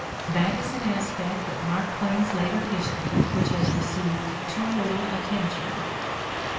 That is an aspect of Mark Twain's later history which has received too little atten tion.